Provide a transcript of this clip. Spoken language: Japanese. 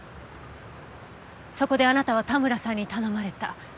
そこであなたは田村さんに頼まれた。